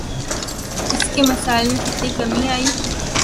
اس کے مسائل میں کتنی کمی آئی؟